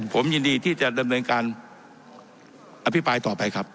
ผมยินดีที่จะดำเนินการอภิปรายต่อไปครับ